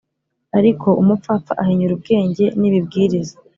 ariko umupfapfa ahinyura ubwenge n’ibibwiriza